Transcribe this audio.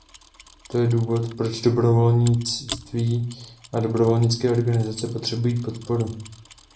To je důvod, proč dobrovolnictví a dobrovolnické organizace potřebují podporu.